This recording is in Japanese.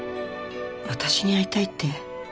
私に会いたいって？